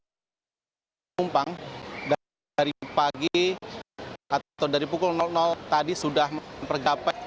penumpang dari pagi atau dari pukul tadi sudah mempergapat